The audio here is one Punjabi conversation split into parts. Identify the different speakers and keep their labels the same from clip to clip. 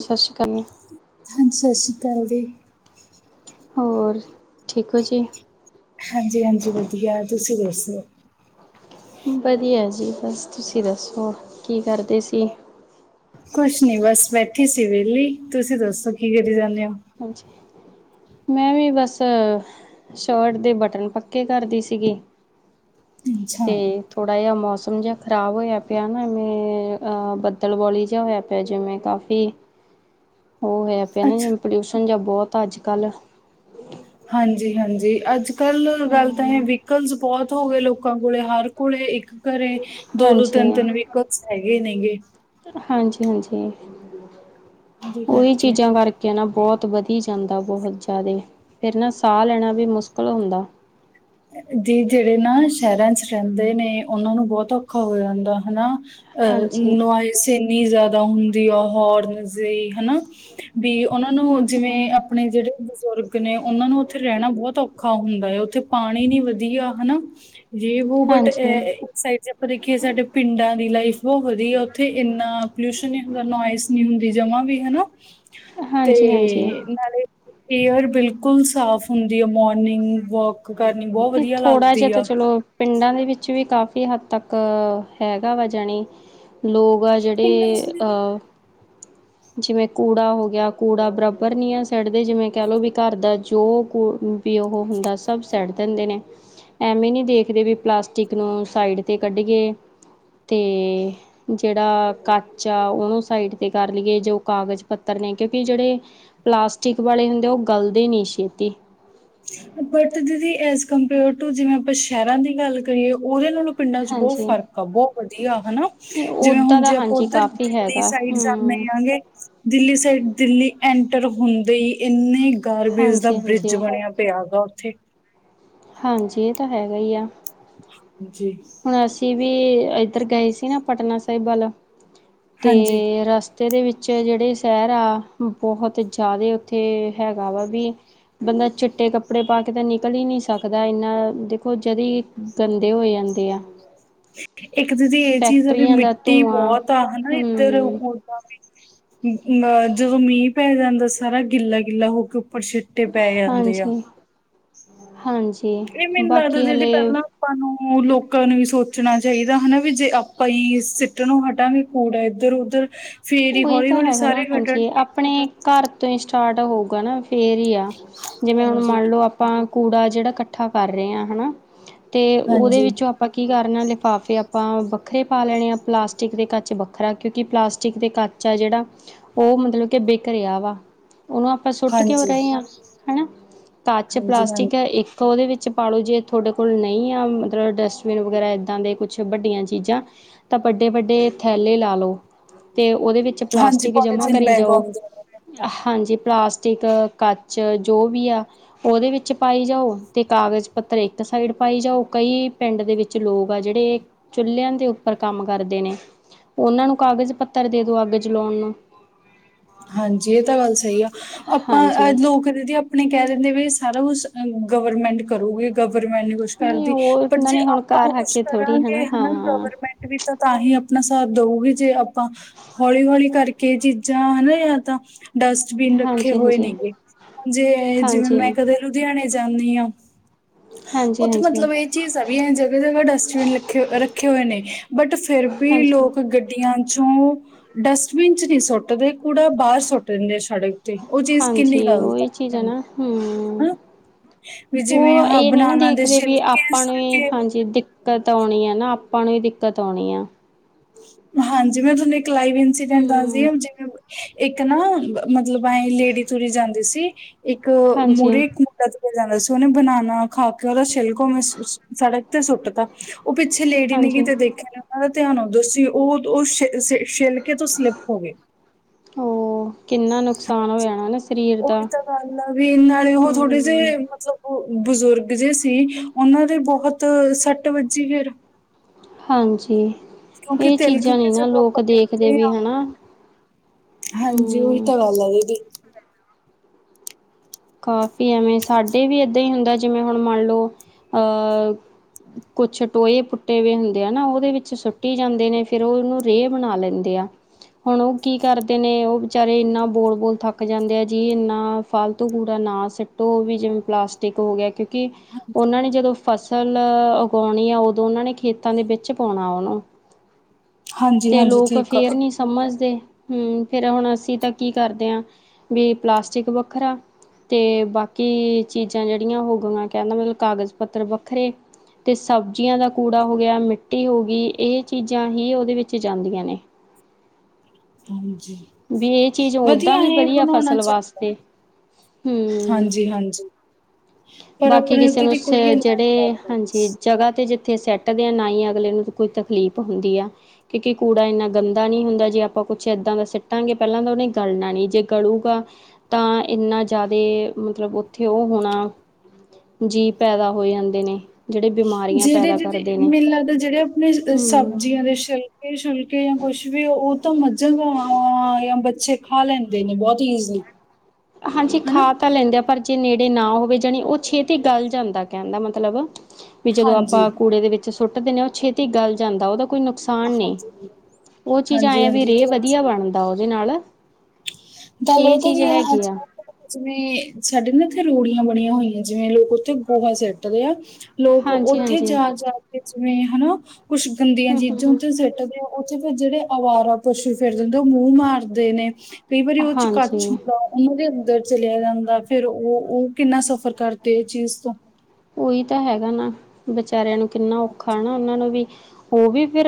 Speaker 1: [unintelligible]
Speaker 2: ਹਾਂਜੀ, ਸਤਿ ਸ੍ਰੀ ਅਕਾਲ ਜੀ।
Speaker 1: ਹੋਰ, ਠੀਕ ਹੋ ਜੀ।
Speaker 2: ਹਾਂਜੀ -ਹਾਂਜੀ ਵਧੀਆ ਤੁਸੀਂ ਦੱਸੋ।
Speaker 1: ਵਧੀਆ ਜੀ, ਬਸ ਤੁਸੀਂ ਦੱਸੋ। ਕੀ ਕਰਦੇ ਸੀ।
Speaker 2: ਕੁਛ ਨੀ ਬਸ ਬੈਠੀ ਸੀ ਵਿਹਲੀ ਤੁਸੀਂ ਦੱਸੋ ਕੀ ਕਰੀ ਜਾਂਦੇ ਹੋ।
Speaker 1: ਹਾਂਜੀ। ਮੈਂ ਵੀ ਬਸ, ਸ਼ਰਟ ਦੇ ਬਟਨ ਪੱਕੇ ਕਰਦੀ ਸੀਗੀ।
Speaker 2: ਅੱਛਾ
Speaker 1: ਤੇ ਥੋੜਾ- ਜਿਹਾ ਮੌਸਮ ਜਿਹਾ ਖਰਾਬ ਹੋਇਆ ਪਿਆ ਨਾ ਇਵੇਂ ਬੱਦਲ -ਬੌਲੀ ਜਿਹਾ ਹੋਇਆ ਪਿਆ। ਪਿਆ ਜਿਵੇਂ ਕਾਫੀ, ਉਹ ਹੋਇਆ ਪਿਆ ਨਾ
Speaker 2: ਅੱਛਾ
Speaker 1: ਜਿਵੇਂ ਪੋਲਿਊਸ਼ਨ ਜਾਂ ਬਹੁਤ ਅੱਜ -ਕੱਲ।
Speaker 2: ਹਾਂਜੀ- ਹਾਂਜੀ, ਅੱਜ -ਕੱਲ ਗੱਲ ਤਾਂ ਆਏ ਆ
Speaker 1: ਹਮ
Speaker 2: ਵੀ ਕਰਜ਼ ਬਹੁਤ ਹੋ ਗਏ ਲੋਕਾਂ ਕੋਲੇ ਹਰ ਕੋਲੇ ਇੱਕ ਘਰੇ ਦੋ- ਦੋ,
Speaker 1: ਹਾਂਜੀ
Speaker 2: ਤਿੰਨ -ਤਿੰਨ ਵਹਿਕਲਸ ਹੈਗੇ ਨੇ ਗੇ।
Speaker 1: ਹਾਂਜੀ -ਹਾਂਜੀ,
Speaker 2: ਜੀ
Speaker 1: ਉਹੀ
Speaker 2: ਕਰਕੇ
Speaker 1: ਚੀਜ਼ਾਂ ਕਰਕੇ ਕਿ ਨਾ ਬਹੁਤ ਵਧੀ ਜਾਂਦਾ ਬਹੁਤ ਜ਼ਿਆਦੇ ਫਿਰ ਨਾ ਸਾਹ ਲੈਣਾ ਵੀ ਮੁਸ਼ਕਿਲ ਹੁੰਦਾ।
Speaker 2: ਦੀ ਜਿਹੜੇ ਨਾ ਸ਼ਹਿਰਾਂ ਚ ਰਹਿੰਦੇ ਨੇ ਉਹਨਾਂ ਨੂੰ ਬਹੁਤ ਔਖਾ ਹੋ ਜਾਂਦਾ ਹਨਾ। ਅਹ
Speaker 1: ਹਾਂਜੀ
Speaker 2: ਨੋਇਸ ਇੰਨੀ ਜ਼ਿਆਦਾ ਹੁੰਦੀ ਆ ਹੋਰਨ ਜੇ ਹਨਾ। ਵੀ ਉਹਨਾ
Speaker 1: ਹੂੰ
Speaker 2: ਨੂੰ ਜਿਵੇਂ
Speaker 1: ਹੂੰ
Speaker 2: ਆਪਾ ਆਪਣੇ ਜਿਹੜੇ ਬਜ਼ੁਰਗ ਨੇ ਉਹਨਾਂ ਨੂੰ ਉੱਥੇ ਰਹਿਣਾ ਬਹੁਤ ਔਖਾ ਹੁੰਦਾ ਹੈ ਉੱਥੇ ਪਾਣੀ ਨੀ ਵਧੀਆ ਹਨਾ ਜੇ ਉਹ ਬਟ ਐ
Speaker 1: ਹਾਂਜੀ
Speaker 2: ਐਕਸਰਸਾਇਜ ਪਰ ਦੇਖੀਏ ਸਾਡੇ ਪਿੰਡਾਂ ਦੀ ਲਾਈਫ ਬਹੁਤ ਵਧੀਆ ਆ ਉੱਥੇ ਇੰਨਾ ਪੋਲਿਊਸ਼ਨ ਨੀ ਹੁੰਦਾ ਨੋਇਸ ਨੀ ਹੁੰਦੀ ਜਮਾ ਵੀ ਹਨਾ,
Speaker 1: ਹਾਂਜੀ ਹਾਂਜੀ
Speaker 2: ਤੇ ਨਾਲੇ ਏਅਰ ਬਿਲਕੁੱਲ ਸਾਫ਼ ਹੁੰਦੀ ਹੈ। Morning walk.
Speaker 1: ਨਹੀਂ ਥੋੜਾ ਜਿਹਾ ਤਾਂ ਚਲੋ। ਪਿੰਡਾਂ ਦੇ ਵਿੱਚ ਵੀ ਕਾਫ਼ੀ ਹੱਦ ਤੱਕ, ਹੈਗਾ ਵਾ ਜਾਣੀ। ਲੋਕ ਆ
Speaker 2: ਪਿੰਡਾਂ
Speaker 1: ਜਿਹੜੇ,
Speaker 2: ਚ
Speaker 1: ਅਹ ਜਿਵੇਂ ਕੂੜਾ ਹੋ ਗਿਆ ਕੂੜਾ ਬਰਾਬਰ ਨੀ ਆ ਸਿਟਦੇ ਜਿਵੇਂ ਕਹਿ ਲੋੋ ਵੀ ਘਰ ਦਾ ਜੋ ਕ ਵੀ ਉਹੋ ਹੁੰਦਾ ਸੀ। ਸਭ ਸਿੱਟ ਦਿੰਦੇ ਨੇ, ਐਵੇਂ ਨਹੀਂ ਦੇਖਦੇ ਵੀ ਪਲਾਸਟਿਕ ਨੂੰ ਸਾਈਡ ਤੇ ਕੱਢੀਏ। ਤੇ। ਜਿਹੜਾ ਕੱਚ ਆ ਉਹਨੂੰ ਸਾਇਡ ਤੇ ਕਰ ਲਈਏ ਜੋ ਕਾਗਜ਼ ਪੱਤਰ ਨੇ ਕਿਉਂਕਿ ਜਿਹੜੇ ਪਲਾਸਟਿਕ ਵਾਲੇ ਹੁੰਦੇ ਉਹ ਗਲਦੇ ਨੀ ਛੇਤੀ।
Speaker 2: ਬਟ ਦੀਦੀ ਐਜ ਕੰਪੇਅਰ ਟੂ ਜਿਵੇਂ ਆਪਾਂ ਸ਼ਹਿਰਾਂ ਦੀ ਗੱਲ ਕਰੀਏ ਉਹਦੇ ਨਾਲ ਪਿੰਡਾਂ ਚ ਬਹੁਤ
Speaker 1: ਹਾਂਜੀ
Speaker 2: ਫ਼ਰਕ ਆ ਬਹੁਤ ਵਧੀਆ ਹਨਾ। ਜਿਵੇਂ
Speaker 1: ਓਦਾਂ
Speaker 2: ਹੁਣ
Speaker 1: ਦਾ
Speaker 2: ਜੇ ਧਰਤੁਸੀਂ ਓਏ
Speaker 1: ਹਾਂਜੀ
Speaker 2: ਊਉੱਧਰ
Speaker 1: ਕਾਫੀ
Speaker 2: ਦਿੱਲੀ
Speaker 1: ਹੈਗਾ
Speaker 2: ਸਾਈਡ
Speaker 1: ਹਮ
Speaker 2: ਜਾਂਦੇ ਗ ਦਿੱਲੀ ਸਾਈਡ ਦਿੱਲੀ ਐਂਟਰ ਹੁੰਦੇ ਹੀ ਇੰਨੇ ਗਾਰਬੇਜ ਦਾ
Speaker 1: ਹਾਂਜੀ ਹਾਂਜੀ
Speaker 2: ਬ੍ਰਿਜ ਬਣਿਆ। ਤੇ ਆਵਦਾ ਉੱਥੇ
Speaker 1: ਹਾਂਜੀ ਇਹ ਤਾਂ ਹੈਗਾ ਈ ਆ।
Speaker 2: ਹਾਂਜੀ।
Speaker 1: ਹੁਣ ਅਸੀਂ ਵੀ ਇੱਧਰ ਗਏ ਸੀ ਨਾ ਪਟਨਾ ਸਾਹਿਬ ਵੱਲ ਤੇ
Speaker 2: ਹਾਂਜੀ
Speaker 1: ਰਸ ਤੇ ਇਹਦੇ ਵਿੱਚ ਜਿਹੜੇ ਸ਼ਹਿਰ ਆ ਬਹੁਤ ਜ਼ਿਆਦਾ ਉੱਥੇ ਹੈਗਾ ਵਾ ਵੀ ਬੰਦਾ ਚਿੱਟੇ ਕੱਪੜੇ ਪਾ ਕੇ ਤਾਂ ਨਿਕਲ ਹੀ ਨਹੀਂ ਸਕਦਾ। ਇੰਨਾ ਦੇਖੋ ਜਦੀ ਗੰਦੇ ਹੋ ਜਾਂਦੇ ਦੇਆ।
Speaker 2: ਇੱਕ ਦੀਦੀ ਇਹ ਚੀਜ਼ ਆ ਵੀ
Speaker 1: ਦਾ
Speaker 2: ਮਿੱਟੀ
Speaker 1: ਧੂੰਆਂ
Speaker 2: ਬਹੁਤ ਆ ਹਨਾ ਇੱਧਰ
Speaker 1: ਹਮ
Speaker 2: ਲੈ ਜਦੋਂ ਮੀਂਹ ਪੈ ਜਾਂਦਾ ਸਾਰਾ ਗਿੱਲਾ-ਗਿੱਲਾ ਹੋ ਕੇ ਉੱਪਰ ਛਿੱ ਟੇ ਪੈ ਜਾਂਦੇ ਆ,
Speaker 1: ਹਾਂਜੀ ਹਾਂਜੀ
Speaker 2: ਇਹ ਮੈਨੂੰ ਲੱਗਦਾ
Speaker 1: ਬਾਕੀ
Speaker 2: ਦੀਦੀ
Speaker 1: ਹਲੇ
Speaker 2: ਪਹਿਲਾਂ ਆਪਾਂ ਨੂੰ ਲੋਕਾਂ ਨੂੰ ਵੀ ਸੋਚ ਸੋਚਣਾ ਚਾਹੀਦਾ ਹਨਾ ਵੀ ਜੇ ਆਪਾਂ ਹੀ ਸਿੱਟਨੋ ਹਟਾਂਗੇ ਕੂੜਾ ਇੱਧਰ-ਉੱਧਰ ਫੇਰ ਹੀ
Speaker 1: ਉਹੀ ਤਾਂ
Speaker 2: ਹੌਲੀ-ਹੌਲੀ
Speaker 1: ਹੈਗਾ ਨਾ
Speaker 2: ਸਾਰੇ
Speaker 1: ਹਾਂਜੀ
Speaker 2: ਹੱਟਣਗੇ।
Speaker 1: ਆਪਣੇ ਘਰ ਤੋਂ ਹੀ ਸਟਾਰਟ ਹੋਊਗਾ ਨਾ ਫੇਰ ਹੀ ਆ, ਜਿਵੇਂ ਹੁਣ
Speaker 2: ਹਾਂਜੀ, ਹਾਂਜੀ,
Speaker 1: ਮੰਨਲਓ ਆਪਾਂ ਕੂੜਾ ਜਿਹੜਾ ਇਕੱਠਾ ਕਰ ਰਹੇ ਆ ਹਨਾ ਤੇ ਉਹਦੇ
Speaker 2: ਹਾਂਜੀ,
Speaker 1: ਵਿੱਚੋਂ ਆਪਾਂ ਆਪਾਂ ਕੀ ਕਰਨਾ ਲਿਫਾਫੇ ਆਪਾਂ ਵੱਖਰੇ ਪਾ ਲੈਣੇ ਆ ਪਲਾਸਟਿਕ ਦੇ ਕੱਚ ਵੱਖਰਾ ਕਿਉਂਕਿ ਪਲਾਸਟਿਕ ਪਲਾਸਟਿਕ ਤੇ ਕੱਚ ਜਿਹੜਾ ਉਹ ਮਤਲਬ ਕਿ ਬਿਕ ਵਾ ਉਹਨੂੰ ਆਪਾਂ ਸੁੱਟ ਕਿਉਂ
Speaker 2: ਹਾਂਜੀ,
Speaker 1: ਰਹੇ ਹਾਂ ਹਨਾ, ਕੱਚ
Speaker 2: ਹਾਂਜੀ।
Speaker 1: ਪਲਾਸਟਿਕ ਏ ਇੱਕ ਤਾਂ ਉਹਦੇ ਵਿੱਚ ਪਾ ਲਓ ਜੇ ਤੁਹਾਡੇ ਕੋਲ ਨਹੀਂ ਆ ਮਤਲਬ ਡਸਟਬਿਨ ਵਗੈਰਾ ਇੱਦਾਂ ਦੇ ਕੁਛ ਵੱਡੀਆਂ ਚੀਜ਼ਾਂ ਤਾਂ ਵੱਡੇ-ਵੱਡੇ ਥੈਲੇ ਲੈ ਲਓ ਤੇ ਉਹਦੇ ਵਿੱਚ
Speaker 2: ਹਾਂਜੀ
Speaker 1: ਪਲਾਸਟਿਕ ਜਮ੍ਹਾਂ
Speaker 2: ਪੋਲੀਥੀਨ
Speaker 1: ਕਰੀ
Speaker 2: ਬੈਗ
Speaker 1: ਜਾਓ।
Speaker 2: ਆਉਂਦੇ ਨੇ।
Speaker 1: ਹਾਂਜੀ ਪਲਾਸਟਿਕ, ਕੱਚ ਜੋ ਵੀ ਆ ਉਹਦੇ ਵਿੱਚ ਪਾਈ ਜਾਓ ਤੇ ਕਾਗਜ਼ ਪੱਤਰ ਇੱਕ ਸਾਈਡ ਪਾਈ ਜਾਓ ਕਈ ਪਿੰਡ ਦੇ ਵਿੱਚ ਲੋਕ ਆ ਜਿਹੜੇ ਚੁਲਿਆਂ ਦੇ ਉੱਪਰ ਕੰਮ ਕਰਦੇ ਨੇ, ਉਹਨਾਂ ਨੂੰ ਕਾਗਜ਼ ਪੱਤਰ ਦੇ ਦੋ ਅੱਗ ਜਲਾਉਣ ਨੂੰ।
Speaker 2: ਹਾਂਜੀ ਇਹ ਤਾਂ ਗੱਲ ਸਹੀ ਆ,
Speaker 1: ਹਾਂਜੀ
Speaker 2: ਆਪਾਂ ਲੋਕ ਦੀਦੀ ਆਪਣੇ ਕਹਿ ਦਿੰਦੇ ਵੀ ਸਾਰਾ ਕੁਛ ਗਵਰਮੈਂਟ ਕਰੋਗੀ ਗਵਰਮੈਂਟ ਕੁਛ ਕੁਛ
Speaker 1: ਨਹੀਂ
Speaker 2: ਕਰਦੀ
Speaker 1: ਉਹ
Speaker 2: ਬਟ
Speaker 1: ਉਹਨਾਂ
Speaker 2: ਜੇ
Speaker 1: ਨੇ ਹੁਣ
Speaker 2: ਆਪਾਂ
Speaker 1: ਘਰ ਆ
Speaker 2: ਕੁਛ
Speaker 1: ਕੇ ਥੋੜ੍ਹੀ
Speaker 2: ਕਰਾਂਗੇ ਹਨਾ
Speaker 1: ਹਾਂ
Speaker 2: ਗਵਰਮੈਂਟ ਵੀ ਤੇ, ਤਾਂ ਹੀ ਆਪਣਾ ਸਾਥ ਦਊਗੀ ਜੇ ਆਪਾਂ, ਹੌਲੀ-ਹੌਲੀ ਕਰਕੇ ਇਹ ਚੀਜ਼ਾਂ ਹਨਾ। ਧਿਆਨ ਤਾਂ, ਡਸਟਬਿਨ ਰੱਖੇ
Speaker 1: ਹਾਂਜੀ
Speaker 2: ਹੋਏ
Speaker 1: ਹਾਂਜੀ
Speaker 2: ਨੇਗੇ, ਜੇ ਜਿਵੇਂ ਮੈਂ
Speaker 1: ਹਾਂਜੀ
Speaker 2: ਕਦੇ ਲੁਧਿਆਣਾ ਜਾਣੀ ਆ,
Speaker 1: ਹਾਂਜੀ
Speaker 2: ਉੱਥੇ
Speaker 1: ਹਾਂਜੀ
Speaker 2: ਮਤਲਬ ਇਹ ਚੀਜ਼ਾਂ ਵੀ ਜਗ੍ਹਾ-ਜਗ੍ਹਾ ਡਸਟਬਿਨ ਲਖੇ ਰੱਖੇ ਹੋਏ ਨੇ ਬਟ ਫਿਰ ਵੀ
Speaker 1: ਹਾਂਜੀ
Speaker 2: ਲੋਕ ਗੱ ਡੀਆਂ ਚੋਂ ਡਸਟਬਿਨ 'ਚ' ਨਹੀਂ ਸੁੱਟਦੇ ਕੂੜਾ ਬਾਹਰ ਸੁੱਟ ਦਿੰਦੇ ਆ ਸੜਕ ਤੇ ਉਹ ਚੀਜ਼ ਕਿੰਨੀ
Speaker 1: ਹਾਂਜੀ,
Speaker 2: ਗ਼ਲਤ
Speaker 1: ਉਹੀ ਚੀਜ਼ ਆ ਨਾ ਹਮ।
Speaker 2: ਹਨਾ ਵੀ ਜਿਵੇਂ
Speaker 1: ਉਹ
Speaker 2: ਆਹ
Speaker 1: ਇਹ ਨੀ ਨਾ
Speaker 2: ਬਨਾਨਾ ਦੇ
Speaker 1: ਦੇਖਦੇ ਵੀ
Speaker 2: ਛਿਲਕੇ
Speaker 1: ਆਪਾਂ ਨੂੰ
Speaker 2: ਸੁਲਕੇ
Speaker 1: ਹਾਂਜੀ। ਦਿੱਕਤ ਆਉਣੀ ਹੈ ਨਾ, ਆਪਾਂ ਨੂੰ ਵੀ ਦਿੱਕਤ ਆਉਣੀ ਆ।
Speaker 2: ਹਾਂਜੀ, ਮੈਂ ਤੁਹਾਨੂੰ ਇੱਕ ਲਾਈਵ ਇੰਸੀਡੈਂਟ ਦੱਸਦੀ
Speaker 1: ਹੂੰ
Speaker 2: ਆ ਜਿਵੇਂ ਇੱਕ ਨਾ ਮਤਲਬ ਆਏ ਲੇਡੀ ਤੁਰੀ ਜਾਂਦੀ ਸੀ। ਇੱਕ
Speaker 1: ਹਾਂਜੀ
Speaker 2: ਮੂਰੇ ਇੱਕ ਮੁੰਡਾ ਤੁਰਿਆ ਜਾਂਦਾ ਸੀ। ਉਹਨੇ ਬਨਾਣਾ ਖਾ ਕੇ ਉਹਦਾ ਛਿਲਕਾ ਸੜਕ ਤੇ ਸੁੱਟ ਤਾਂ। ਉਹ ਪਿੱਛੇ ਲੇਡੀ ਨੰਗੀ ਤੇ
Speaker 1: ਹਾਂਜੀ
Speaker 2: ਕਿਤੇ ਦੇਖਿਆ ਨੇ ਉਹਨਾਂ ਦਾ ਧਿਆਨ ਦੁਸੀਂ ਉਹ-ਉਹ ਛੀ-ਛੀ-ਛੀ ਛਿੱਲਕੇ ਤੋਂ ਸਲਿੱਪ ਹੋ ਗੇ।
Speaker 1: ਉਹ ਕਿੰਨਾ ਨੁਕਸਾਨ ਹੋਆ ਹੋਣਾ ਨਾ ਸਰੀਰ ਦਾ।
Speaker 2: ਗਲੱ ਆ ਵੀ ਨਾਲੇ ਉਹ ਥੋੜੇ ਜੇ
Speaker 1: ਹੂੰ
Speaker 2: ਮਤਲਬ ਬਜ਼ੁਰਗ ਜੇ ਸੀ। ਉਹਨਾਂ ਦੇ ਬਹੁਤ ਸੱਟ ਵੱਜੀ ਫਿਰ।
Speaker 1: ਹਾਂਜੀ,
Speaker 2: ਕਿਉਂਕਿ
Speaker 1: ਇਹ
Speaker 2: ਤਿਲਕ
Speaker 1: ਚੀਜ਼ਾਂ
Speaker 2: ਕੇ
Speaker 1: ਨੀ ਨਾ
Speaker 2: ਜਦੋਂ
Speaker 1: ਲੋਕ
Speaker 2: ਆਪਾਂ
Speaker 1: ਦੇਖਦੇ
Speaker 2: ਕਹਿੰਦੇ
Speaker 1: ਵੀ
Speaker 2: ਹਾਂ
Speaker 1: ਹਨਾ।
Speaker 2: ਹਾਂਜੀ, ਉਹੀ
Speaker 1: ਹੂੰ
Speaker 2: ਤਾਂ ਗੱਲ ਆ ਦੀਦੀ।
Speaker 1: ਕਾਫੀ ਐਵੇਂ ਸਾਡੇ ਵੀ ਏਦਾਂ ਹੀ ਹੁੰਦਾ। ਜਿਵੇਂ ਹੁਣ ਮੰਨ ਲਓ ਅਹ ਕੁਛ ਟੋਏ ਪੁੱਟੇ ਵੀਏ ਹੁੰਦੇ ਆ ਨਾ ਉਹਦੇ ਵਿੱਚ ਸੁੱਟੀ ਜਾਂਦੇ ਨੇ। ਫਿਰ ਉਹ ਉਹਨੂੰ ਰੇਹ ਬਣਾ ਲੈਂਦੇ ਆ। ਹੁਣ ਉਹ ਕੀ ਕਰਦੇ ਨੇ ਉਹ ਵਿਚਾਰੇ ਇੰਨਾ ਬੋਲ-ਬੋਲ ਥੱਕ ਜਾਂਦੇ ਆ ਜੀ ਇੰਨਾ ਫਾਲ ਤੂ ਕੂੜਾ ਨਾ ਸਿੱਟੋ। ਵੀ ਜਿਵੇਂ ਪਲਾਸਟਿਕ ਹੋ ਗਿਆ ਕਿਉਂਕਿ
Speaker 2: ਹਾਂਜੀ
Speaker 1: ਉਹਨਾਂ ਨੇ ਜਦੋਂ ਫਸ- ਫਸਲ ਉਗਾਉਣੀ ਆ। ਉਦੋਂ ਉਹਨਾਂ ਨੇ ਖੇਤਾਂ ਦੇ ਵਿੱਚ ਪਾਉਣਾ ਉਹਨੂੰ।
Speaker 2: ਹਾਂਜੀ
Speaker 1: ਤੇ
Speaker 2: ਹਾਂਜੀ
Speaker 1: ਲੋਕ
Speaker 2: ਠੀਕ ਆ
Speaker 1: ਫੇਰ ਨੀ ਸਮਝਦੇ, ਹਮ। ਫਿਰ ਹੁਣ ਅਸੀਂ ਤਾਂ ਕਰਦੇ ਹਾਂ ਵੀ ਪਲਾਸਟਿਕ ਵੱਖਰਾ ਤੇ ਬਾਕੀ ਚੀਜ਼ਾਂ ਜਿਹੜੀਆਂ ਹੋ ਗਈਆਂ ਕਹਿੰਦਾ ਮਤਲਬ ਕਾਗਜ਼ ਪੱਤਰ ਵੱਖਰੇ। ਤੇ ਸਬਜ਼ੀਆਂ ਦਾ ਕੂੜਾ ਹੋ ਗਿਆ। ਮਿੱਟੀ ਹੋ ਗੀ ਇਹ ਚੀਜ਼ਾਂ ਹੀ ਉਹਦੇ ਵਿੱਚ ਜਾਂਦੀਆਂ ਨੇ।
Speaker 2: ਹਾਂਜੀ
Speaker 1: ਵੀ ਇਹ ਚੀਜ਼ ਓਦਾਂ ਵੀ ਵਧੀਆ ਫਸਲ ਵਾਸਤੇ। ਹੂੰ
Speaker 2: ਹਾਂਜੀ-ਹਾਂਜੀ।
Speaker 1: ਬਾਕੀ ਕਿਸੇ ਨੂੰ
Speaker 2: ਇੰਨਾ ਨਹੀਂ
Speaker 1: [unintelligible]
Speaker 2: ਕਰਦਾ ਬਸ
Speaker 1: ਹਾਂਜੀ ਤੇ ਜਿੱ ਥੇ ਸੈੱਟ ਦੇ ਆ, ਨਾ ਹੀ ਅਗਲੇ ਨੂੰ ਕੋਈ ਤਕਲੀਫ਼ ਹੁੰਦੀ ਆ। ਕਿਉਂਕਿ ਕੂੜਾ ਇੰਨਾ ਗੰਦਾ ਨਹੀਂ ਹੁੰਦਾ ਜੇ ਆਪਾਂ ਕੁਛ ਇੱਦਾਂ ਦਾ ਸਿੱਟਾਂਗੇ ਪਹਿਲਾਂ ਤਾਂ ਗਲਣਾ ਨੀ। ਜੇ ਗਲੂਗਾ ਤਾਂ ਇੰਨਾ ਜ਼ਿਆਦਾ ਮਤਲਬ ਉੱਥੇ ਉਹ ਹੋਣਾ, ਜੀ ਪੈਦਾ ਹੋ ਜਾਂਦੇ ਨੇ। ਜਿਹੜੇ ਬਿਮਾਰੀਆਂ ਪੈਦਾ
Speaker 2: ਜਿਹੜੇ-ਜਿਹੜੇ
Speaker 1: ਕਰਦੇ ਨੇ
Speaker 2: ਮੈਨੂੰ ਲੱਗਦਾ ਜਿਹੜੇ ਆਪਣੇ
Speaker 1: ਹਮ
Speaker 2: ਸਬਜ਼ੀਆਂ ਦੇ ਸ਼ੀ ਕੇ ਛੁਲਕੇ ਜਾਂ ਕੁਛ ਵੀ ਉਹ ਤਾਂ ਮੱਝਾਂ, ਗਾਵਾਂ ਜਾਂ ਬੱਚੇ ਖਾ ਲੈਂਦੇ ਨੇ, ਬਹੁਤ ਈਜ਼ੀ।
Speaker 1: ਹਾਂਜੀ, ਖਾ ਤਾਂ ਲੈਂਦੇ ਆ ਪਰ ਜੇ ਨੇੜੇ ਨਾ ਹੋਵੇ ਜਾਣੀ ਉਹ ਛੇਤੀ ਗਲ ਜਾਂਦਾ ਕਹਿੰਦਾ ਮਤਲਬ ਵੀ ਜਦੋਂ
Speaker 2: ਹਾਂਜੀ
Speaker 1: ਆਪਾਂ ਕੂੜੇ ਦੇ ਵਿੱਚ ਸੁੱਟਦੇ ਨੇ ਉਹ ਛੇਤੀ ਗਲ ਜਾਂਦਾ ਉਹਦਾ ਕੋਈ ਨੁਕਸਾਨ ਨੀ,
Speaker 2: ਹਾਂਜੀ
Speaker 1: ਉਹ ਚੀਜ਼
Speaker 2: ਹਾਂਜੀ
Speaker 1: ਆਏ ਵੀ
Speaker 2: ਹਾਂਜੀ
Speaker 1: ਰੇ ਵਧੀਆ
Speaker 2: ਤੇ
Speaker 1: ਬਣਦਾ ਉਹਦੇ ਨਾਲ।
Speaker 2: ਗੱਲ
Speaker 1: ਇਹ
Speaker 2: ਪਤਾ
Speaker 1: ਚੀਜ਼
Speaker 2: ਕੀ ਆ।
Speaker 1: ਹੈਗੀ
Speaker 2: ਅੱਜ-ਕੱਲ੍ਹ ਜਿਵੇਂ ਸਾਡੇ ਨਾ ਇੱਥੇ ਰੋੜੀਆਂ ਬਣੀਆਂ ਹੋਈਆਂ। ਜਿਵੇਂ ਲੋਕ ਉੱਥੇ ਗੋਹਾ ਸੱਟਦੇ ਆ। ਲੋਕ
Speaker 1: ਹਾਂਜੀ
Speaker 2: ਉੱਥੇ
Speaker 1: ਹਾਂਜੀ ਹਮ
Speaker 2: ਜਾ-ਜਾ ਕੇ ਜਿਵੇਂ ਹਨਾ। ਕੁਛ ਗੰਦੀਆਂ
Speaker 1: ਹਮ
Speaker 2: ਚੀਜ਼ਾਂ
Speaker 1: ਹਮ
Speaker 2: ਉੱਥੇ ਸਿੱਟਦੇ ਆ। ਉਹ 'ਚ' ਫਿਰ ਜਿਹੜੇ ਅਵਾਰਾ ਪਸ਼ੂ ਫਿਰਦੇ ਉਹ ਮੂੰਹ ਮਾਰਦੇ ਨੇ। ਕਈ ਵਾਰੀ ਉਹ 'ਚ' ਕੱਚ
Speaker 1: ਹਾਂਜੀ
Speaker 2: ਹੁੰਦਾ। ਉਹਨਾਂ ਦੇ ਅੰਦਰ ਚਲਿਆ ਜਾਂਦਾ ਫਿਰ ਉਹ-ਉਹ ਕਿੰਨਾ ਸਫ਼ਰ ਕਰਦੇ ਇਹ ਚੀਜ਼ ਤੋਂ।
Speaker 1: ਉਹੀ ਤਾਂ ਹੈਗਾ ਨਾ। ਵਿਚਾਰਿਆਂ ਨੂੰ ਕਿੰਨਾ ਔਖਾ ਨਾ ਉਹਨਾਂ ਨੂੰ ਵੀ। ਉਹ ਵੀ ਫਿਰ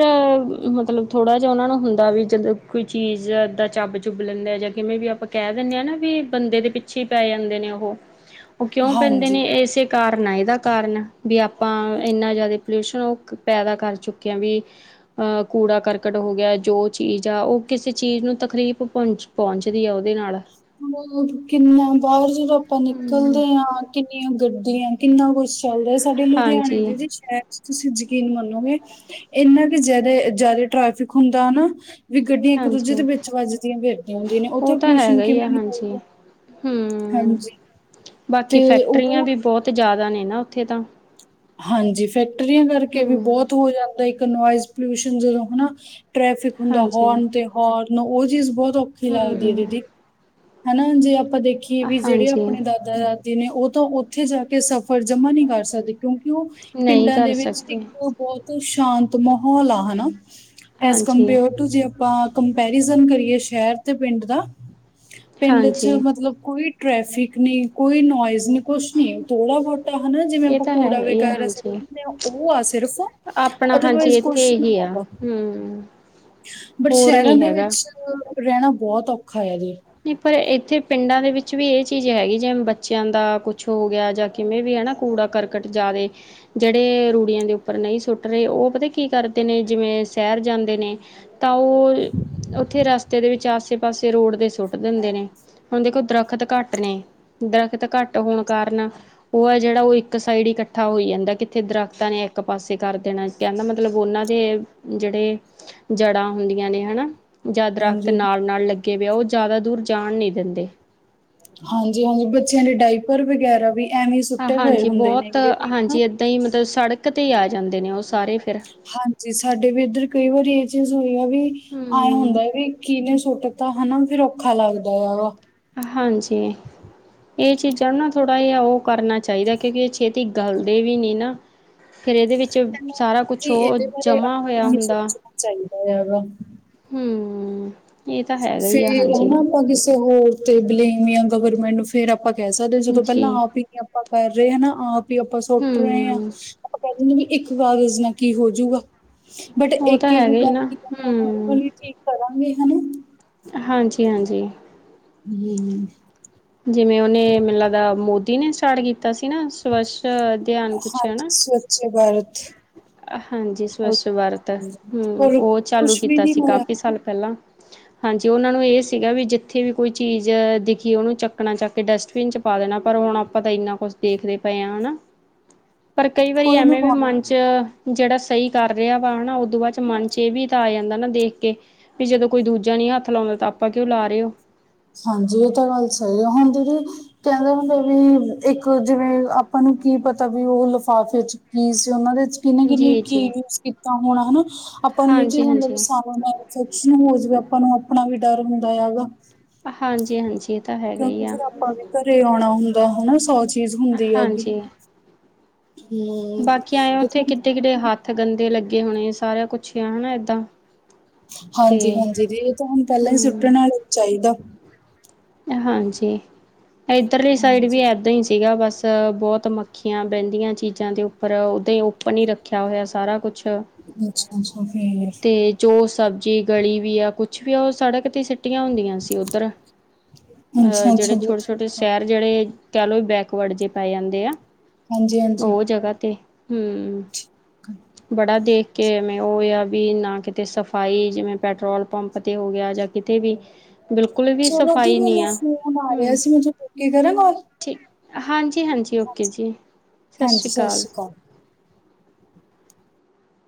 Speaker 1: ਮਤਲਬ ਥੋੜ੍ਹਾ ਜਿਹਾ ਉਹਨਾਂ ਨੂੰ ਹੁੰਦਾ ਵੀ ਜਦੋਂ ਕੋਈ ਚੀਜ਼ ਦਾ ਚੱਬ-ਚੁੱਬ ਲੈਂਦੇ ਆ ਜਾਂ ਕਿਵੇਂ ਵੀ ਆਪਾਂ ਕਹਿ ਦਿੰਦੇ ਹਾਂ ਨਾ ਵੀ ਬੰਦੇ ਦੇ ਪਿੱਛੇ ਪੈ ਜਾਂਦੇ ਨੇ ਉਹੋ। ਉਹ ਕਿਉਂ ਪੈਂਦੇ ਨੇ।
Speaker 2: ਹਾਂਜੀ
Speaker 1: ਇਸੇ ਘਟਨਾ ਇਹਦਾ ਕਾਰਨ ਵੀ ਆਪਾਂ ਇੰਨਾ ਜ਼ਿਆਦਾ ਪੋਲਿਊਸ਼ਨ ਉਹ ਪੈਦਾ ਕਰ ਚੁੱਕੇ ਆ ਵੀ। ਅ ਕੂੜਾ-ਕਰਕਟ ਹੋ ਗਿਆ। ਜੋ ਚੀਜ਼ ਆ ਉਹ ਕਿਸੇ ਚੀਜ਼ ਨੂੰ ਤਕਰੀਫ਼ ਪਹੁੰਚ ਪਹੁੰਚਦੀ ਆ ਉਹਦੇ ਨਾਲ।
Speaker 2: ਹੋਰ ਕਿੰਨਾ ਬਾਹਰ ਜਦੋਂ ਆਪਾਂ
Speaker 1: ਹਮ
Speaker 2: ਨਿਕਲਦੇ ਆ। ਕਿੰਨੀਆਂ ਗੱਡੀਆਂ ਕਿੰਨਾ ਕੁਛ ਚੱਲਦਾ ਰਿਹਾ ਸਾਡੇ ਲੁਧਿਆਣੇ
Speaker 1: ਹਾਂਜੀ
Speaker 2: ਦੇ ਵਿੱਚ ਹੈ ਤੁਸੀਂ ਯਕੀਨ ਮੰਨੋ ਗੇ ਇਨਾ ਕਿ ਜਦੇ ਜਿਆਦਾ ਟ੍ਰੈਫਿਕ ਹੁੰਦਾ ਨਾ ਵੀ ਗੱਡੀਆਂ ਇੱਕ-ਦੂਜੇ ਦੇ
Speaker 1: ਹਾਂਜੀ
Speaker 2: ਵਿੱਚ ਵੱਜਦੀਆਂ ਫਿਰਦੀਆਂ ਹੁੰਦੀਆਂ ਨੇ
Speaker 1: ਉਹ
Speaker 2: ਉੱਥੇ
Speaker 1: ਤਾਂ
Speaker 2: ਪੋਲਿਊਸ਼ਨ
Speaker 1: ਹੈਗਾ ਹੀ ਆ
Speaker 2: ਕਿਵੇਂ ਨਹੀਂ
Speaker 1: ਹਾਂਜੀ
Speaker 2: ਹੋਊਗਾ
Speaker 1: ਹੂੰ
Speaker 2: ਹਾਂਜੀ।
Speaker 1: ਬਾਕੀ
Speaker 2: ਤੇ
Speaker 1: ਫੈਕਟਰੀਆਂ
Speaker 2: ਉਹ
Speaker 1: ਵੀ ਬਹੁਤ ਜ਼ਿਆਦਾ ਨੇ ਨਾ ਉੱਥੇ ਤਾਂ
Speaker 2: ਹਾਂਜੀ ਫੈਕਟਰੀਆਂ ਕਰਕੇ ਵੀ
Speaker 1: ਹੂੰ
Speaker 2: ਬਹੁਤ ਹੋ ਜਾਂਦਾ ਇੱਕ ਨੋਇ ਪੋਲਿਊਸ਼ਨ ਜਦੋਂ ਹਨਾ, ਟ੍ਰੈਫਿਕ ਹੁੰਦਾ
Speaker 1: ਹਾਂਜੀ ਹੂੰ
Speaker 2: ਹੋਰਨ ਤੇ ਹੌਰਨ ਉਹ ਚੀਜ਼ ਬਹੁਤ ਔਖੀ ਲੱਗਦੀ ਹੈ ਦੀਦੀ ਹਨਾ ਜੇ ਆਪਾਂ ਦੇਖੀਏ ਵੀ ਜਿਹੜੇ
Speaker 1: ਹਾਂਜੀ
Speaker 2: ਆਪਣੇ ਦਾਦਾ-ਦਾਦੀ ਨੇ ਉਹ ਤਾਂ ਉੱਥੇ ਜਾ ਕੇ ਸਫ਼ ਫੇਰ ਜਮਾ ਨਹੀਂ ਕਰ ਸਕਦੇ ਕਿਉਂਕਿ ਉਹ
Speaker 1: ਨਹੀਂ
Speaker 2: ਪਿੰਡਾਂ
Speaker 1: ਕਰ
Speaker 2: ਦੇ ਵਿੱਚ ਇੱਕ
Speaker 1: ਸਕਦੇ
Speaker 2: ਬਹੁਤ ਹੀ ਸ਼ਾਂਤ ਮਾਹੌਲ ਆ ਹਨਾ ਐਜ
Speaker 1: ਹਾਂਜੀ
Speaker 2: ਕੰਪੇਅਰ ਟੂ ਜੇ ਆਪਾਂ ਕੰਪੈਰੀਜ਼ਨ ਕਰੀਏ ਸ਼ਹਿਰ ਤੇ ਪਿੰਡ ਦਾ ਪਿੰਡ
Speaker 1: ਹਾਂਜੀ
Speaker 2: ਚ ਮਤਲਬ ਕੋਈ ਟ੍ਰੈਫਿਕ ਨੀ ਕੋਈ ਨੋਇਜ਼ ਨੀ ਕੁੱਛ ਨੀ ਥੋੜਾ ਬਹੁਤ ਹਨਾ ਜਿਵੇਂ
Speaker 1: ਇਹ
Speaker 2: ਆਪਾਂ
Speaker 1: ਤਾਂ
Speaker 2: ਕੂੜਾ
Speaker 1: ਹੈਗਾ ਹੀ ਆ
Speaker 2: ਵਗੈਰਾ ਸਿੱਟ
Speaker 1: ਹਾਂਜੀ
Speaker 2: ਦੇਦੇ ਹਾਂ ਉਹ ਆ ਸਿਰਫ ਅਦਰਵਾਈਜ਼ ਕੁੱਛ
Speaker 1: ਕਿਆ ਆ ਹਮ।
Speaker 2: ਬਟ ਸ਼ਹਿਰਾਂ ਦੇ ਵਿੱਚ ਰਹਿਣਾ ਬਹੁਤ ਔਖਾ ਹੈ ਜੀ।
Speaker 1: ਨਹੀਂ ਪਰ ਇੱਥੇ ਪਿੰਡਾਂ ਦੇ ਵਿੱਚ ਵੀ ਇਹ ਚੀਜ਼ ਹੈਗੀ ਜਿਵੇ ਬੱਚਿਆਂ ਦਾ ਕੁੱਛ ਹੋ ਗਿਆ ਜ ਕਿਵੇਂ ਵੀ ਹੈ ਨਾ ਕੂੜਾ ਕਰਕਟ ਜ਼ਿਆਦੇ ਜਿਹੜੇ ਰੂੜੀਆਂ ਦੇ ਉੱਪਰ ਨਹੀਂ ਸੁੱਟ ਰਹੇ ਉਹ ਪਤਾ ਕੀ ਕਰਦੇ ਨੇ ਜਿਵੇਂ ਸ਼ਹਿਰ ਜਾਂਦੇ ਨੇ ਤਾਂ ਉਹ ਉੱਥੇ ਰਸਤੇ ਦੇ ਵਿੱਚ ਆਸੇ-ਪਾਸੇ ਰੋਡ ਦੇ ਸੁੱਟ ਦਿੰਦੇ ਨੇ ਹੁਣ ਦੇਖੋ ਦਰੱਖਤ ਘੱਟ ਨੇ ਦਰੱਖਤ ਘੱਟ ਹੋਣ ਕਾਰਨ ਉਹ ਹੈ ਜਿਹੜਾ ਉਹ ਇੱਕ ਸਾਈਡ ਹੀ ਇਕੱਠਾ ਹੋਈ ਜਾਂਦਾ ਕਿੱਥੇ ਦਰਖਤਾਂ ਨੇ ਇੱਕ ਪਾਸੇ ਕਰ ਦੇਣਾ ਕਹਿਣ ਦਾ ਮਤਲਬ ਉਹਨਾਂ ਦੇ ਜਿਹੜੇ ਜੜ੍ਹਾਂ ਹੁੰਦੀਆਂ ਨੇ ਹਨਾ ਜਾਂ ਦਰੱਖਤ
Speaker 2: ਹਾਂਜੀ
Speaker 1: ਨਾਲ -ਨਾਲ ਲੱਗੇ ਵੇ ਆ ਉਹ ਜ਼ਿਆਦਾ ਦੂਰ ਜਾਣ ਨੀ ਦਿੰਦੇ
Speaker 2: ਹਾਂਜੀ-ਹਾਂਜੀ ਬੱਚਿਆਂ ਦੇ ਡਾਈਪਰ ਵਗੈਰਾ ਵੀ ਐਵੇਂ ਹੀ ਸੁੱਟੇ ਪਏ
Speaker 1: ਹਾਂਜੀ
Speaker 2: ਹੁੰਦੇ
Speaker 1: ਬਹੁਤ
Speaker 2: ਨੇਗੇ ਵੀ ਨਾ
Speaker 1: ਹਾਂਜੀ ਏਦਾਂ ਹੀ ਮਤਲਬ ਸੜਕ ਤੇ ਹੀ ਆ ਜਾਂਦੇ ਨੇ ਉਹ ਸਾਰੇ ਫਿਰ
Speaker 2: ਹਾਂਜੀ ਸਾਡੇ ਵੀ ਇੱਧਰ ਕਈ ਵਾਰੀ ਇਹ ਚੀਜ਼ ਹੋਈ ਆ ਵੀ ਆਏ
Speaker 1: ਹੂੰ
Speaker 2: ਹੁੰਦਾ ਵੀ ਕੀਹਨੇ ਨੇ ਸੁੱਟਤਾ ਹਨਾ ਫੇਰ ਔਖਾ ਲੱਗਦਾ ਹੈਗਾ
Speaker 1: ਹਾਂਜੀ। ਇਹ ਚੀਜ਼ਾਂ ਨੂੰ ਨਾ ਥੋੜ੍ਹਾ ਜਿਹਾ ਉਹ ਕਰਨਾ ਚਾਹੀਦਾ। ਕਿਉਂਕਿ ਇਹ ਛੇਤੀ ਗਲਦੇ ਵੀ ਨੀ ਨਾ ਫੇਰ ਇਹਦੇ ਵਿੱਚ ਸਾਰਾ ਕੁਛ
Speaker 2: ਜੀ
Speaker 1: ਉਹ
Speaker 2: ਇਹਦੇ ਬਾਰੇ
Speaker 1: ਜਮਾ
Speaker 2: ਆਪਾਂ
Speaker 1: ਹੋਇਆ
Speaker 2: ਨੂੰ ਹੀ
Speaker 1: ਹੁੰਦਾ
Speaker 2: ਸੋਚਣਾ ਚਾਹੀਦਾ ਹੈਗਾ।
Speaker 1: ਹਮ।
Speaker 2: ਫੇਰ ਹਨਾ ਆਪਾਂ ਕਿਸੇ ਹੋਰ ਤੇ ਬਲੇਮ ਨੀ ਲਾਉਦੇ ਗਵਰਮੈਂਟ ਨੂੰ ਫੇਰ ਆਪਾਂ ਕਹਿ ਸਕਦੇ ਹਾਂ ਜਦੋਂ
Speaker 1: ਜੀ
Speaker 2: ਪਹਿਲਾਂ ਆਪ ਹੀ ਨੀ ਆਪਾਂ ਕਰ ਰਹੇ ਹਨਾ ਆਪ ਹੀ ਆਪਾਂ ਸੁੱਟ ਰਹੇ ਹਾਂ
Speaker 1: ਹੂੰ
Speaker 2: ਆਪਾਂ ਕਹਿ ਦਿੰਦੇ ਵੀ ਇੱਕ ਕਾਗਜ਼ ਨਾਲ ਕੀ ਹੋਜੂਗਾ ਬਟ
Speaker 1: ਉਹ ਤਾਂ
Speaker 2: ਇੱਕ-ਇੱਕ
Speaker 1: ਹੈਗਾ ਨਾ
Speaker 2: ਕਰਕੇ ਹੀ ਆਪਾਂ
Speaker 1: ਹੂੰ
Speaker 2: ਹੌਲੀ-ਹੌਲੀ ਠੀਕ ਕਰਾਂਗੇ ਹਨਾ
Speaker 1: ਹਾਂਜੀ-ਹਾਂਜੀ।
Speaker 2: ਹਮ-ਹਮ।
Speaker 1: ਜਿਵੇਂ ਉਹਨੇ ਮੈਨੂੰ ਲੱਗਦਾ ਮੋਦੀ ਨੇ ਸਟਾਰਟ ਕੀਤਾ ਸੀ ਨਾ ਸਵੱਸ
Speaker 2: ਹਾਂਜੀ, ਸਵੱਛ ਭਾਰਤ
Speaker 1: ਹਾਂਜੀ ਸਵੱਛ
Speaker 2: ਅਭਿਆਨ
Speaker 1: ਭਾਰਤ
Speaker 2: ਹਾਂਜੀ
Speaker 1: ਹਮ
Speaker 2: ਪਰ
Speaker 1: ਉਹ ਚਾਲੂ
Speaker 2: ਕੁਛ ਵੀ
Speaker 1: ਕੀਤਾ
Speaker 2: ਨਹੀਂ
Speaker 1: ਸੀ
Speaker 2: ਹੋਇਆ
Speaker 1: ਕਾਫੀ ਸਾਲ ਪਹਿਲਾਂ ਹਾਂਜੀ ਉਹਨਾਂ ਨੂੰ ਇਹ ਸੀਗਾ ਵੀ ਜਿੱਥੇ ਵੀ ਕੋਈ ਚੀਜ਼ ਦਿਖੀ ਉਹਨੂੰ ਚੱਕਣਾ ਚੱਕ ਕੇ ਡਸਟਬਿਨ ਪਾ ਦੇਣਾ ਪਰ ਹੁਣ ਆਪਾਂ ਤਾਂ ਇੰਨਾ ਕੁੱਛ ਦੇਖਦੇ ਪਏ ਹਾਂ ਹਨਾ, ਪਰ ਕਈ ਵਾਰੀ
Speaker 2: ਕੋਈ ਨੀ
Speaker 1: ਐਵੇਂ ਵੀ
Speaker 2: ਪਾਉਂਦਾ
Speaker 1: ਮਨ 'ਚ ਜਿਹੜਾ ਸਹੀ ਕਰ ਰਿਹਾ ਵਾ ਹਨਾ ਉਦੋਂ ਬਾਅਦ ਮਨ 'ਚ' ਇਹ ਵੀ ਤਾਂ ਆ ਜਾਂਦਾ ਨਾ ਦੇਖ ਕੇ ਵੀ ਜਦੋਂ ਕੋਈ ਦੂਜਾ ਨੀ ਹੱਥ ਲਾਉਦਾ ਤਾਂ ਆਪਾਂ ਕਿਉਂ ਲਾ ਰਹੇ ਹੋ
Speaker 2: ਹਾਂਜੀ ਇਹ ਤਾਂ ਗੱਲ ਸਹੀ ਆ ਹੁਣ ਦੀਦੀ ਕਹਿੰਦੇ ਹੁੰਦੇ ਵੀ ਇੱਕ ਉਹ ਜਿਵੇਂ ਆਪਾਂ ਨੂੰ ਕੀ ਪਤਾ ਵੀ ਉਹ ਲਿਫਾਫੇ ਚ ਕੀ ਸੀ ਉਹਨਾਂ ਦੇ 'ਚ ਕਿਹਨੇ -ਕਿਹਨੇ
Speaker 1: ਜੀ
Speaker 2: ਕੀ
Speaker 1: ਜੀ
Speaker 2: ਯੂਜ ਕੀਤਾ ਹੋਣਾ ਹਨਾ, ਆਪਾਂ ਨੂੰ ਇਹ ਚੀਜ਼
Speaker 1: ਹਾਂਜੀ
Speaker 2: ਮਤਲਬ
Speaker 1: ਹਾਂਜੀ।
Speaker 2: ਸ ਸੱਚੀ ਨਾ ਹੋ ਜਾਵੇ ਆਪਾਂ ਨੂੰ ਆਪਣਾ ਵੀ ਡਰ ਹੁੰਦਾ ਹੈਗਾ
Speaker 1: ਹਾਂਜੀ-ਹਾਂਜੀ ਇਹ ਤਾਂ ਹੈਗਾ ਈ
Speaker 2: ਕਿਉਂਕਿ
Speaker 1: ਆ।
Speaker 2: ਫਿਰ ਆਪਾਂ ਵੀ ਘਰੇ ਆਉਣਾ ਹੁੰਦਾ ਹਨਾ, ਸੌ ਚੀਜ਼ ਹੁੰਦੀ ਆਗੀ।
Speaker 1: ਹਾਂਜੀ। ਬਾਕੀ ਆਏ ਆ
Speaker 2: ਇਹ
Speaker 1: ਉੱਥੇ
Speaker 2: ਤਾਂ
Speaker 1: ਕਿੱਥੇ -ਕਿੱਥੇ ਹੱਥ ਗੰਦੇ ਲੱਗੇ ਹੋਣੇ ਆ ਸਾਰਾ ਕੁਛ ਈ ਆ ਹੁਣ ਏਦਾਂ। ਤੇ
Speaker 2: ਹਾਂਜੀ-ਹਾਂਜੀ ਦੀ ਇਹ ਤਾਂ ਹੁਣ ਪਹਿਲਾਂ ਈ
Speaker 1: ਹੂੰ
Speaker 2: ਸੁੱਟਣ ਵਾਲਾ ਚਾਹੀਦਾ।
Speaker 1: ਹਾਂਜੀ, ਇੱਧਰਲੀ ਸਾਈਡ ਵੀ
Speaker 2: ਹਾਂਜੀ
Speaker 1: ਏਦਾਂ ਈ ਸੀਗਾ। ਤੇ ਬਹੁਤ ਮੱਖੀਆਂ ਬਹਿੰਦੀਆਂ ਚੀਜ਼ਾਂ ਦੇ ਉੱਪਰ ਉਦਾਂ ਹੀ ਉੱਪਨ ਹੀ ਰੱਖਿਆ ਹੋਇਆ ਸਾਰਾ ਕੁਛ।
Speaker 2: ਅੱਛਾ-ਅੱਛਾ, ਫੇਰ
Speaker 1: ਤੇ ਜੋ ਸਬਜ਼ੀ ਗਲੀ ਵੀ ਆ ਕੁਛ ਵੀ ਆ ਉਹ ਸੜਕ ਤੇ ਸਿੱਟੀਆਂ ਹੁੰਦੀਆਂ ਸੀ ਉੱਧਰ ਅਹ
Speaker 2: ਅੱਛਾ
Speaker 1: ਜਿਹੜੇ
Speaker 2: ਅੱਛਾ ਜੀ
Speaker 1: ਛੋਟੇ-ਛੋਟੇ
Speaker 2: ਠੀਕ ਆ
Speaker 1: ਸ਼ਹਿਰ ਜਿਹੜੇ ਕਹਿ ਲੋੋ ਬੈਕਵਰਡ ਜੇ ਪੈ ਜਾਂਦੇ ਆ,
Speaker 2: ਹਾਂਜੀ ਹਾਂਜੀ
Speaker 1: ਉਹ ਜਗਾ ਤੇ ਹਮ, ਬੜਾ ਦੇਖ ਕਿਵੇਂ ਉਹ ਹੋਇਆ ਵੀ ਨਾ ਕਿਤੇ ਸਫਾਈ ਜਿਵੇਂ ਪੈਟਰੋਲ ਪੰਪ 'ਤੇ ਹੋ ਗਿਆ ਜਾਂ ਕਿਤੇ ਵੀ ਬਿਲਕੁਲ ਵੀ ਸ
Speaker 2: ਜੇ ਮੈਨੂੰ ਫੋਨ ਆ ਰਿਹਾ ਸੀ, ਮੈ ਥੋਨੂੰ ਰੁੱਕੇ ਕਰਾਂ ਗੱਲ?
Speaker 1: ਠੀਕ, ਹਾਂਜੀ-ਹਾਂਜੀ, ਓਕੇ ਜੀ, ਸਤਿ
Speaker 2: ਹਾਂਜੀ
Speaker 1: ਸ਼੍ਰੀ ਅਕਾਲ।
Speaker 2: [inaudible]